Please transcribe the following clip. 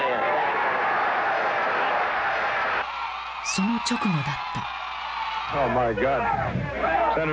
その直後だった。